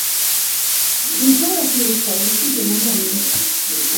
Sinshobora kwibuka ubushize nabonye.